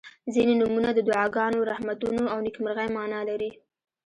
• ځینې نومونه د دعاګانو، رحمتونو او نیکمرغۍ معنا لري.